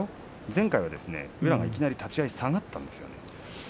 前回はいきなり立ち合い下がったんですよね。